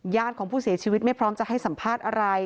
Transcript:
ของผู้เสียชีวิตไม่พร้อมจะให้สัมภาษณ์อะไร